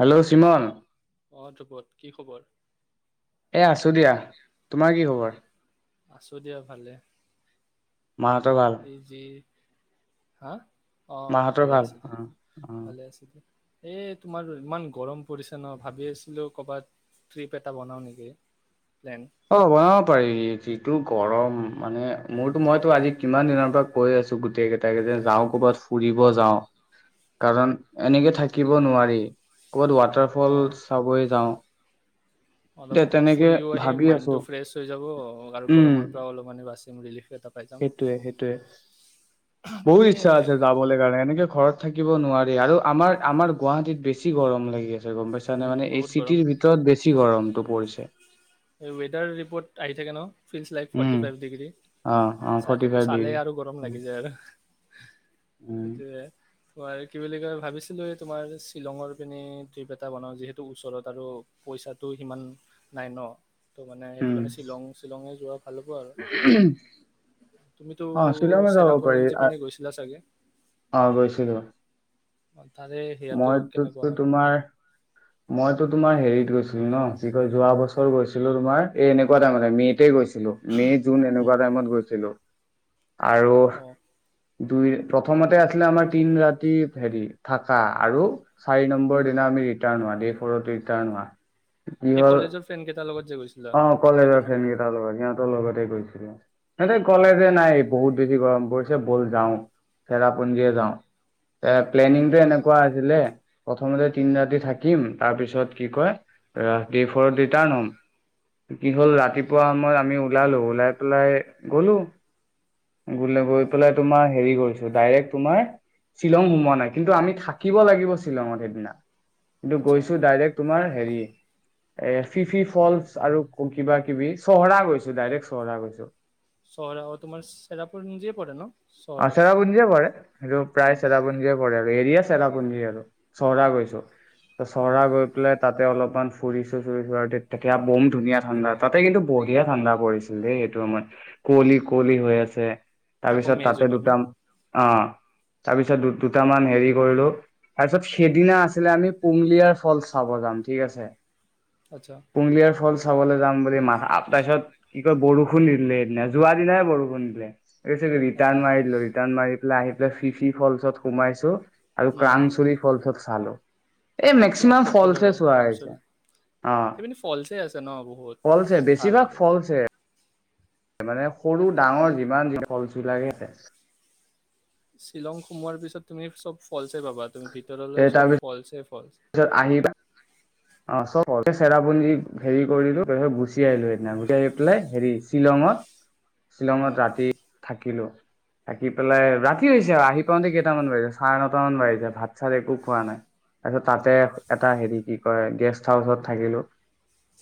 Hello চিমন অ' ধ্ৰুবত কি খবৰ? এ আছো দিয়া তোমাৰ কি খবৰ আছো দিয়া ভালে। মাহঁতৰ ভাল যি হা অ' অ' মাহঁতৰ ভালে ভাল আছে অ দিয়া, ভালে আছে দিয়া। এই তোমাৰ ইমান গৰম পৰিছে ন ভাবি আছিলোঁ কৰবাত ট্ৰিপ এটা বনাও নেকি প্লেন। অ' বনাব পাৰি যিটো গৰম মানে মোৰতো মইতো আজি কিমান দিনৰ পৰা কৈ আছো গোটেই কেইটাক এই যে যাওঁ ক'ৰবাত ফুৰিব যাওঁ। কাৰণ এনেকে থাকিব নোৱাৰি ক'বাত ৱাটাৰ অ ফল চাবই যাওঁ। অলপ এতিয়া তেনেকে ফুৰিও আহিম ভাবি আছো মাইণ্ডটো ফ্ৰেছ হৈ যাব আৰু উম গৰমৰ পৰা অলপমান বাচিম ৰিলিফ এটাত। সেইটোয়ে, সেইটোয়ে বহুত তুমি ইচ্ছা আছে যাব। যাবলে কাৰণে এনেকে ঘৰত থাকিব নোৱাৰি আৰু আমাৰ আমাৰ গুৱাহাটীত বেছি গৰম লাগে। গম পাইছা নে উম মানে এই বহুত গৰম চিটিৰ ভিতৰত বেছি গৰমটো পৰিছে। এই ৱেডাৰ ৰিপৰ্ট আহি থাকে ন feels like forty um. Five degree. অ অ চাই ফৰ্টি থাকো ফাইভ চালে ডিগ্ৰী আৰু গৰম লাগি যায় আৰু উম। সেইটোয়ে। তোমাৰ কি বুলি কয় ভাবিছিলোঁ তোমাৰ শ্বিলঙৰ পিনে ট্ৰিপ এটা বনাও যিহেতু ওচৰত আৰু পইচাটো সিমান নাই ন' ত' মানে সেইটো উম। কাৰণে শ্বিলং শ্বিলঙে যোৱা ভাল হ'ব আৰু তুমিতো অ শ্বিলঙে যাব পাৰি চেৰাপুঞ্জী পিনে গৈছিলা চাগে? অ' গৈছিলোঁ। অ' তাৰে সেয়াটো কেনেকুৱা মইতোতো মানে তোমাৰ মইতো তোমাৰ হেৰিত গৈছিলোঁ ন' কি কয় যোৱা বছৰ গৈছিলোঁ তোমাৰ এই এনেকুৱা টাইমতে মে'তে গৈছিলোঁ মে' জুন উম এনেকুৱা টাইমত গৈছিলোঁ। আৰু অ দুই প্ৰথমতে আছিলে আমাৰ তিনি ৰাতি হেৰি থাক কা আৰু চাৰি নম্বৰ দিনা আমি ৰিটাৰ্ণ হোৱা ডে ফৰ ৰিটাৰ্ণ হোৱা। কি এই হ'ল কলেজৰ ফ্ৰেণ্ড কেইটাৰ লগ লগত যে গৈছিলা। অ' সেইটো কলেজৰ ন ফ্ৰেণ্ড কেইটাৰ লগত সিহঁতৰ লগতে গৈছিলোঁ। সিহঁতে অ কলেজে নাই বহুত বেছি গৰম পৰিছে বল যাওঁ, চেৰাপুঞ্জীয়ে যাওঁ। অ প্লেনিংটো এনে কোৱা আছিলে প্ৰথমতে তিনি ৰাতি থাকিম, তাৰপিছত কি কয় ৰাতিপুৱা ৰিটাৰ্ণ হ'ম। কি হ'ল অ ৰাতিপুৱা সময়ত আমি ওলালো ওলাই পেলাই গ'লো বোলে গৈ অ পেলাই তোমাৰ হেৰি গৈছোঁ ডাইৰেক্ট তোমাৰ শ্বিলং সোমোৱা নাই, কিন্তু আমি থাকি থাকিব লাগিব শ্বিলঙত সেইদিনা কিন্তু আচ্ছা গৈছোঁ ডাইৰেক্ট তোমাৰ হেৰি এই ফিফি ফ'লচ আৰু কিবা কিবি চহৰা গৈছোঁ ডাইৰেক্ট চহৰা গৈছোঁ। চহৰা অ' তোমাৰ চেৰাপুঞ্জী পৰে ন'? অ' চহৰাটো চেৰাপুঞ্জীয়ে পৰে সেইটো প্ৰায় উম চেৰাপুঞ্জিয়ে পৰে আৰু এৰিয়া চেৰাপুঞ্জি আৰু। চহৰা গৈছোঁ। অ চহৰা গৈ পেলে তাতে অলপমান ফুৰিছোঁ চুৰিছো আৰু তেতিয়া বম ধুনীয়া ঠাণ্ডা তাতে কিন্তু বঢ়িয়া ঠাণ্ডা পৰিছে। এনেই সেইটো আমাৰ কুঁৱলি কুঁৱলি হৈ আছে তাকো তাৰপিছত মে' তাত জুনত ন অ' তাৰপিছত দু-দুটামান হেৰি কৰিলোঁ তাৰপিছত সেইদিনা আছিলে আমি পুঙলিয়াৰ ফলচ চাব যাম ঠিক আছে। আচ্ছা। পুঙগলিয়াৰ ফলচ চাবলৈ যাম বুলি মান আ-আ তাৰপিছত কি কয় বৰষুণ দি দিলে সেইদিনা, যোৱা দিনাই বৰষুণ দিলে। [unintelligible] তাকে ৰিটাৰ্ণ মাৰি দিলোঁ। ৰিটাৰ্ণ মাৰি পেলাই আহি পেলাই ফিফি ফলছত সোমাইছো আৰু উম, ক্ৰানচৰি ফলচ খালোঁ। এই অ' মেক্সিমাম পপুলাৰ ফলচে হয় চোৱা কামচাৰ। হৈছে। অ' সেইপিনে ফলছে আছে ন বহুত ফলচে ভাল বেছিভাগ আৰু। ফলচে মানে সৰু ডাঙৰ যিমান যি ফলচবিলাকে আছে। শ্বিলং সোমোৱাৰ পিছত তুমি চব ফলচে পাবা তুমি তে ভিতৰলৈ চব ফলচে ফলচ। তাৰপিছত আহিবা অ' চব চেৰাপুঞ্জীৰ হেৰি কৰিলোঁ তাৰপিছত গুচি আহিলোঁ সেইদিনা গুচি আহি পেলাই হেৰি শ্বিলঙত শ্বিলঙত অ' ৰাতি থাকিলোঁ, থাকি পেলাই ৰাতি হৈছে আৰু আহি পাওঁতে কেইটামান বাজিছে চাৰে নটা মান বাজিছে ভাত চাত একো খোৱা নাই তাৰপিছত তাতে অ' এটা হেৰি হয় গেষ্ট হাউচত থাকিলোঁ।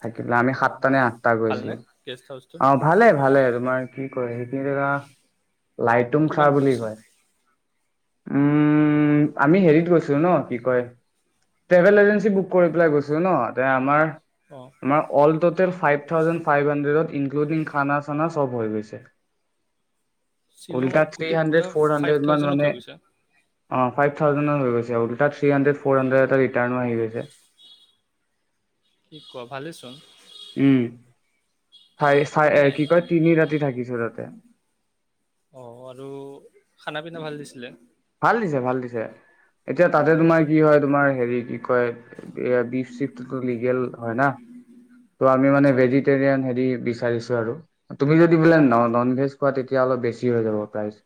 থাকি পেলাই আমি অ' সাতটা নে আঠটা ভালনে গৈছিলোঁ। গেষ্ট হাউচটো অ' ভালে ভালে তোমাৰ কি কয় সেইখিনি জাগাত লাইটুম খা কিমান বুলি পৰিছে? কয়। উম আমি হেৰিত গৈছিলোঁ ন' কি কয় টেভেল এজেণ্টছি বুক কৰি পেলাই গৈছিলোঁ ন' তে আমাৰ অ'। আমাৰ all total five thousand five হান্দ্ৰেদত ইনক্লুডিং খানা চানা চব হৈ গৈছে। উল্টা শ্বিলঙত থ্ৰী গোটেই ঘূৰা হাণ্ড্ৰেড ফৰ ফাইভ হাণ্ড্ৰেড মান থাউজেণ্ডত হৈ মানে গৈছে। অ', ফাইভ থাউজেণ্ডত হৈ গৈছে। উল্টা থ্ৰী হান্দ্ৰেদ, ফৰ হাড্ৰেড এটা ৰিটাৰণো আহি গৈছে। কি কোৱা ভালেচোন। উম, চাই আৰু মানে চাই, কি কয় তিনি ৰাতি থাকিছো তাতে। অ', আৰু খানা পিনা ভাল দিছিলে। ভাল দিছে, ভাল দিছে। এতিয়া তাতে তোমাৰ কি হয় তোমাৰ হেৰি কি কয় এ বিফ চিফটোতো লিগেল হয় না। ত, আমি মানে আচ্ছা ভেজিটিৰিয়ান হেৰি বিচাৰিছোঁ আৰু তুমি যদি অ' বোলে অ' নন ভেজ পোৱা তেতিয়া অলপ বেছি হৈ যাব প্ৰাইজ।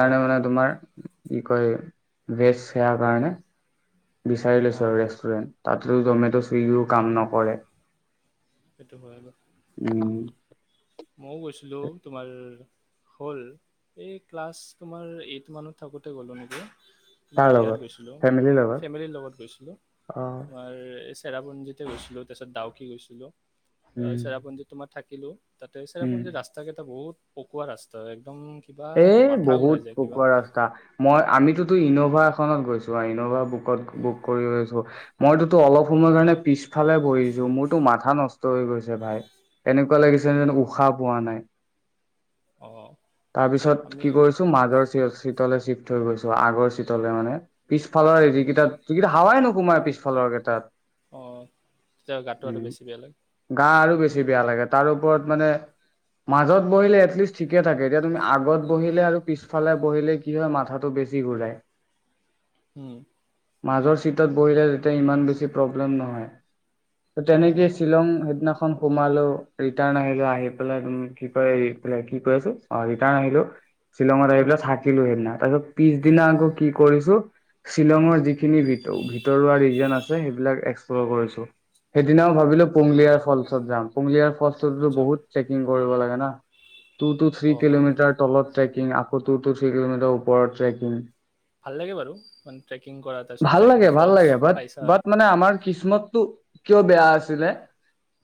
অ' অ' মানে তোমাৰ কি কয় বেচ সেৱাৰ কাৰণে বিচাৰি অ লৈছোঁ আৰু ৰেষ্টুৰেণ্ট। তাততো জমেট', চুইগিও কাম নকৰে। সেইটো হয় বা উম। মইও গৈছিলো তোমাৰ হ'ল, এই ক্লাছ তোমাৰ এইট মানত থাকোঁতে গ'লো নেকি। কাৰ তোমাৰ ইয়াত লগত গৈছিলোঁ। ফেমিলিৰ লগত। ফেমিলিৰ লগত গৈছিলোঁ অ'। তোমাৰ এই চেৰাপুঞ্জিত গৈছিলো, তাৰপিছত ডাউকী গৈছিলোঁ। উম, চেৰাপুঞ্জী তোমাৰ থাকিলোঁ তাতে উম। চেৰাপুঞ্জী ৰাস্তা ৰাস্তা কেইটা বহুত পকোৱা ৰাস্তা একদম কিবা এ মাথা বহুত ঘূৰাই যায় কিবা পকোৱা ৰাস্তা। মই, আমিতোতো ইন'ভা এখনত আৰু ইনোভা বুকত উম, বুক কৰি গৈছোঁ। মইতোতো অলপ সময় কাৰণে পিছফালে বহিছোঁ। মোৰতো মাথা নষ্ট হৈ গৈছে ভাই তেনেক এনেকুৱা লাগিছে যে উশাহ পোৱা নাই। অ'। তাৰ পিছত কি কৰিছো মাজৰ চিত, চিটলে চিফ্ট হৈ গৈছোঁ। আগৰ- পিছলৈ মানে, পিছফালৰ অঁ যিকেইটা, হাৱাই নোসোমাই পিছফালৰ কেইটাত। অ', তেতিয়া গাটো উম। আৰু বেছি বেয়া লাগে। গা আৰু বেছি বেয়া লাগে তাৰ ওপৰত মানে, মাজত বহিলে এটলিষ্ট ঠিকে থাকে। এতিয়া তুমি আগত বহিলে আৰু পিছফালে বহিলে কি হয় মাথাটো বেছি ঘূৰাই। উম। মাজৰ চিটত বহিলে, তেতিয়া ইমান বেছি প্ৰব্লেম নহয়। তেনেকেই অঁ শ্বিলং সেইদিনা সোমালো, ৰিটাৰ্ণ আহিলো, আহি পেলাই কি কয়, কি কয় এইটো অ', ৰিটাৰ্ণ আহিলো, শ্বিলঙত আহি পেলাই থাকিলো সেইদিনা, তাৰপিছত পিছদিনা আকৌ কি কৰিছো শ্বিলঙৰ যিখিনি ভিতৰুৱা ৰিজন আছে সেইবিলাক এক্সপ্লৰ কৰিছো। সেইদিনাও ভাবিলো পুংলিয়াৰ ফলচত যাম, পুংলিয়াৰ ফলচতো, আচ্ছা বহুত ট্ৰেকিং কৰিব লাগে না, টু টু থ্ৰী অঁ তাৰ তলত ট্ৰেকিং, আকৌ, টু টু থ্ৰী কিলোমিটাৰ ওপৰত ট্ৰেকিং। ভাল লাগে বাৰু, মানে ট্ৰেকিং কৰা, তাৰপিছত ভাল যাই কিনে ফলচ পাইছা। কিচমতটো কিয় বেয়া আছিলে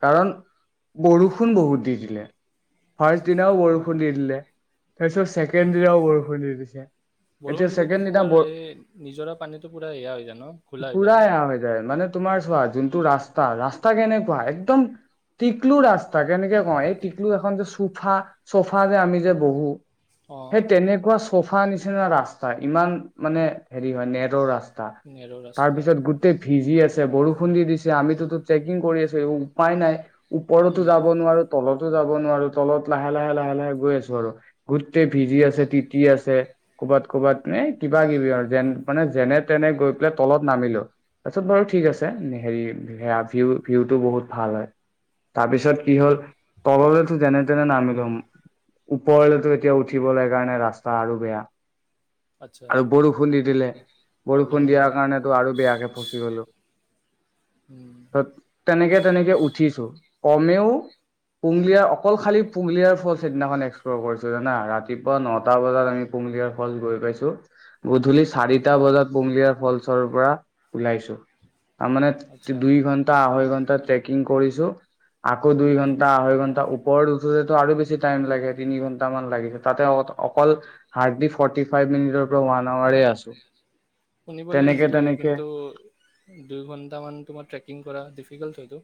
কাৰণ বৰষুণ বহুত দি দিলে। ফাৰ্ষ্ট দিনাও অ বৰষুণ দি দিলে, তাৰপিছত ছেকেণ্ড দিনাও বৰষুণ দি দিছে। বৰষুণ এতিয়া দিলেটো ছেকেণ্ড দিনা তোমাৰ বৰ এই নিজৰা পানীতটো পুৰা সেয়া হৈ যা ন', খোলা হৈ যায় ন'। পাৰ হৈ যায় মানে তোমাৰ চোৱা যোনটো ৰাস্তা, ৰাস্তা কেনেকুৱা একদম টিকলু ৰাস্তা কেনেকে কওঁ এই টিকলু এখন যে চোফা, চ'ফ ফা যে আমি যে বহো, অ সেই তেনেকুৱা চুফ ফা নিচিনা ৰাস্তা ইমান মানে হেৰি হয় নেটৰ ৰাস্তা, নেৰো তাৰ ৰাস্তাৰ পিছত গো টেই ভিজি আছে, বৰষুণ দি দিছে আমিতো ট্ৰেকিং কৰি আছো একো উপায় নাই। ওপৰতো উম যাব নোৱাৰো, তলতো যাব নোৱাৰো, তলত লাহে লাহে লাহে লাহে গৈ আছো আৰু গোটেই ভিজি আছে, তিতি আছে, ক'বাত ক'বাত এ কিবা কিবি আৰু যেন মানে যেনে তেনে গৈ পেলাই তলত নামিলো, তাৰপিছত বাৰু ঠিক হয়। আছে। হেৰি সেয়া ভিউ, ভিউটো বহুত ভাল হয়। তাৰপিছত কি হ'ল, তললৈতো যেনে তেনে নামিলুং ওপৰলৈতো এতিয়া উঠিবলৈ কাৰণে ৰাস্তা আৰু বেয়া। আচ্ছা আৰু বৰষুণ দি দিলে। প্ৰব্লেম বৰষুণ হৈ যায় অ দিয়াৰ কাৰণেটো আৰু বেয়াকে ফচি গলো। উম। ত তেনেকে তেনেকে উঠিছো, কমেও পুঙলিয়াৰ অকল খালি পুংলিয়াৰ ফল সেইদিনাখন এক্সপ্লৰ কৰিছো জানা, ৰাতিপুৱা নটা বজাত আমি পুংলিয়াৰ ফল গৈ পাইছো। গধূলি চাৰিটা বজাত পুংলিয়াৰ ফলচৰ পৰা ওলাইছো। তাৰ মানে আচ্ছা দুই ঘন্টা, আঢ়ৈ ঘন্টা ট্ৰেক কিং কৰিছো আকৌ দুই ঘন্টা, আঢ়ৈ ঘন্টা ওপৰত উঠোতেটো আৰু বেছি টাইম লাগে, তিনি ঘন্টামান লাগিছে তাতে অ', অকল হাৰ্ডলি ফৰ্টি ফাইভ মিনিটৰ পৰা ওৱান আৱাৰে আছো। থিক আছে শুনিবলে তেনেকে ইজি লাগে, তেনেকে কিন্তু দুই ঘন্টা মান তোমাৰ ট্ৰেকিং কৰা ডিফিকাল্ট হয়তো।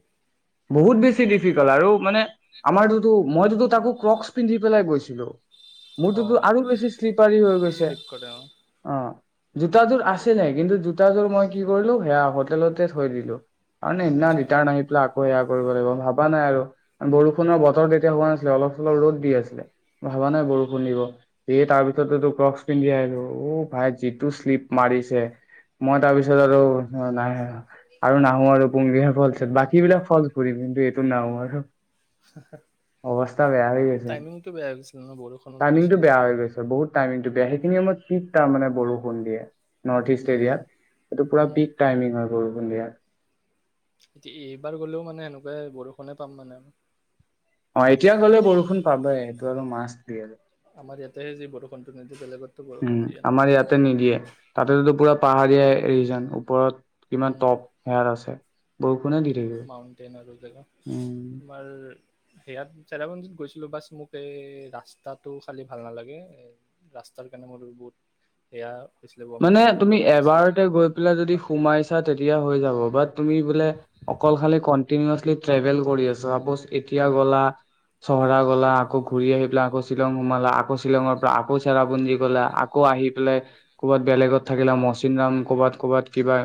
বহুত বেছি ডিফিকাল্ট আৰু মানে আমাৰতোটো, মইতোটো তাকো ক্ৰক্চ পিন্ধি পেলাই গৈছিলো। অ মোৰটোতো আৰু বেছি শ্লিপাৰী হৈ গৈছে, শ্লিপ কৰে অ অ'। জোতাযোৰ আছিলে কিন্তু জোতাযোৰ মই কি কৰিলো, সেয়া হোটেলতে থৈ দিলো। আন এদিনাখন আচ্ছা ৰিটাৰণ আহি পেলাই আক কৌ কোৰিয়াৰ কৰিব লাগিব ভাবা নাই আৰু। বৰষুণৰ বতৰ তেতিয়া হোৱা নাছিলে, অলপ চলপ ৰ'দ দি আছিলে। ভবা নাই বৰষুণ দিব, সেয়ে তাৰ পিছতেটো ক্ৰক্স পিন্ধি আহিলো, অ' ভাই যিটো শ্লিপ মাৰিছে মই অ তাৰপিছত আৰু নাই সেয়া আৰু নাহো আৰু পুংলিয়াৰ ফলচত বাকী বিলাক ফল ঘুৰিম কিন্তু এইটো নাহো আৰু অৱস্থা বেয়া হৈ গৈছে। টাইমিংটো বেয়া হৈ গৈছিল ন বৰ টাইমিংটো বেয়া হৈ গৈছে বহুত টাইমিংটো বেয়া সেইখিনি সময়ত পিক তাৰমানে বৰষুণ দিয়ে। নৰ্থ ইষ্ট উম এৰিয়াত এইটো পোৰা উম পিক টাইমিং হয় বৰষুণ দিয়া। এতিয়া এইবাৰ গ'লেও মানে এনেকুৱাই বৰষুণে পাম মানে। অ', এতিয়া গ'লে বৰষুণ পাবই এইটো আৰু মাছ বি আৰু আমাৰ ইয়াতে যি বৰষুণটো নিদি বেলেগতো বৰষুণ উম দিয়ে ন। আমাৰ ইয়াতে নিদিয়ে তাতেতো পুৰা পাহাৰীয়া ৰিজন ওপৰত কিমান উম টপ সেয়াত আছে। বৰষুণে দি থাকিব। উম বাৰ সেয়াত চেৰাপুঞ্জীত গৈছিলো বাছ মোক এই ৰাস্তাটো খালি ভাল নালাগে। ৰাস্তাৰ কাৰণে মোৰ বহুত সেয়া হৈছিলে মানে ভমিটিং টাইপ তুমি লাগিছিলে এবাৰতে গৈ পেলাই যদি বাকী। সোমাইছা তেতিয়া হৈ যাৱ বা তুমি বোলে অকল খালী কন্তিনোৱাচলী ট্ৰেভেল কৰি আছো চাপ'জ এতিয়া উম গ'লা চহৰা গ'লা আকৌ ঘূৰি আহি পেলাই আকৌ শ্বিলং সোমালা আকৌ শ্বিলঙৰ পৰা আকৌ চেৰাপুঞ্জি গ'লা আকৌ আকৌ আহি পেলাই ক'ৰবাত বেলেগত থাকিলা মচিনৰাম ক'বাত ক'বাত কিবা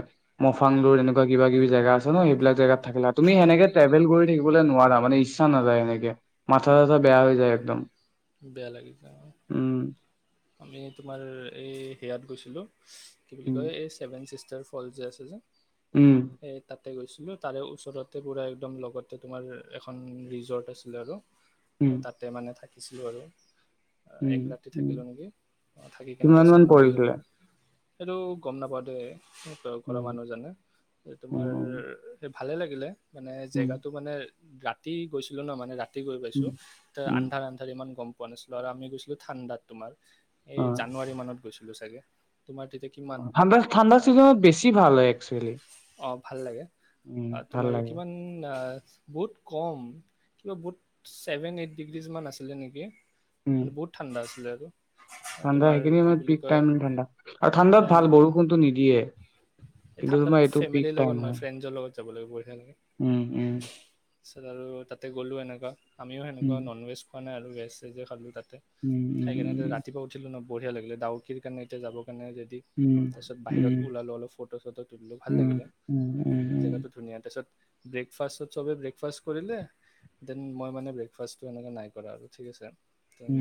মফাংলুৰ এনেক বা কিবা কিবি জাগা আছে ন' সেইবিলাক জাগাত থাকিলা, তুমি সনেকে ট্ৰেভেল কৰি থাকিব নোৱাৰা মানে ইচ্ছা নাযায় এনেকে। মাথা চাথা বেয়া হৈ যায় একদম। বেয়া লাগি যা অ'। উম। আমি তোমাৰ এই সেয়াত গৈছিলোঁ কি বুলি উম কয় এই ছেভেন ছিষ্টাৰ ফল যে আছে যে। উম। সেই তাতে গৈছিলোঁ তাৰে ওচৰতে পুৰা একদম লগতে তোমাৰ এখন ৰিজৰ্ট আছিলে আৰু। উম তাতে মানে থাকিছিলোঁ আৰু, এক উম ৰাতি থাকি উম থাকিলোঁ নেকি, থাকি কেনে কিমান মান তাৰপিছত মৰ্ণিং, পৰিছিলে সেইটো গম নাপাওঁ দেই। ঘৰৰ উম মানুহজনে, এই তোমাৰ উম ভালে লাগিলে মানে উম জেগাটো মানে ৰাতি গৈছিলোঁ ন' মানে ৰাতি গৈ উম পাইছোঁ ত' উম আন্ধাৰ আন ইমান গম পোৱা নাছিলোঁ আৰু আমি গৈছিলোঁ ঠাণ্ডাত, তোমাৰ এই অ জানুৱাৰী মানত গৈছোঁ। চাগে, তোমাৰ তেতিয়া কিমান ঠাণ্ডা ঠাণ্ডা চিজনত বেছি ভাল হয় একচুৱেলি। অ' ভাল লাগে। উম আ, ভাল তোমাৰ লাগে কিমান আ বহুত কম কিবা বহুত ছেভেন এইট ডিগ্ৰীছমান আছিলে নেকি উম মানে বহুত ঠাণ্ডা আছিলে আৰু। ঠাণ্ডা তোমাৰ সেইখিনি কি সময় বুলি পিক কয় টাইম ঠাণ্ডা আৰু ঠাণ্ডাত ভাল বৰষুণটো নিদিয়ে। এই কিন্তু ঠাণ্ডাত তোমাৰ এইটো পিক ফেমিলিৰ টাইম লগত নহয় হয় ফ্ৰেণ্ডছৰ লগত যাব লাগিব এইকাৰণে। উম, উম। তাৰছত আৰু তাতে গ'লো এনেকুৱা, আমিও সেনেকুৱা উম নন ভেজ খোৱা নাই আৰু ভেজ চেজে খালোঁ তাতে। উম খাই কেনে ৰাতিপুৱা উঠিলোঁ ন বঢ়িয়া লাগিলে, ঢাউকিৰ কাৰণে এতিয়া যাব কাৰণে যদি উম তাৰপিছত উম বাহিৰত ওলালো অলপ ফটো চটো তুলিলো ভাল উম উম লাগিলে। উম জেগাটো উম ধুনীয়া তাৰপিছত ব্ৰেকফাষ্টত চবে ব্ৰেকফাষ্ট কৰিলে দেন মই মানে ব্ৰেকফাষ্টটো এনেকে নাই কৰা আৰু ঠিক আছে।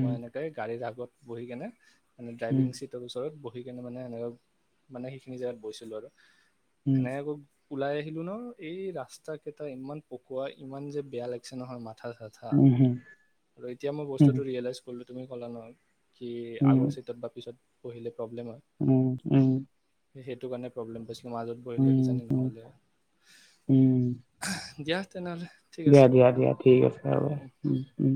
মই এনেকে গাড়ীৰ আগত বহি কেনে মানে ড্ৰাইভিং উম চিট টোৰ ওচৰত বহি কিনে মানে সেনেকৈ মানে সেইখিনি জেগাত বৈছিলোঁ আৰু উম সেনেক আকৌ ওলাই আহিলোঁ ন' এই ৰাস্তাকেইটা ইমান পকোৱা ইমান যে বেয়া লাগিছে নহয় মাথা চাথ থা উম উম উম আৰু এতিয়া মই উম বস্তুটো ৰিয়েলাইজ কৰিলোঁ তুমি ক'লা নহয়। কি উম উম আগৰ চিটত বা পিছত বহিলে প্ৰব্লেম হয়। উম, উম। সেইটো কাৰণে প্ৰব্লেম পাইছিলোঁ, মাজত বহিলে কিজানি উম নহ'লে উম। হয়। দিয়া তেনেহ'লে। ঠিক দিয়া আছে দিয়া দিয়া ঠিক আছে হ'ব, ৰাখোঁ উম, উম।